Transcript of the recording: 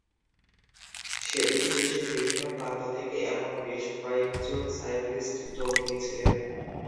সেদিন দেশের বিভিন্ন প্রান্ত থেকে এমন বেশ কয়েকজন সাইক্লিস্ট যোগ দিয়েছিলেন।